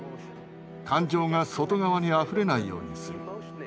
感情が外側にあふれないようにする。